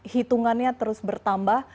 hitungannya terus bertambah